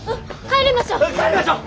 帰りましょう。